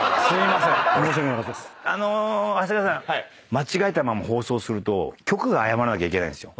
間違えたまま放送すると局が謝らなきゃいけないんですよ。